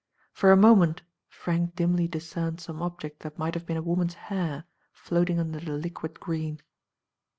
For a moment Frank dimly discerned some object that might have been a woman's hair floating under the liquid green.